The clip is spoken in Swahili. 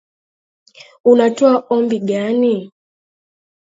Unatoa ombi gani?